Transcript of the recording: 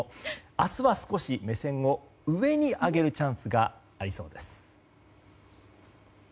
明日は少し目線を上に上げるチャンスがありそうです。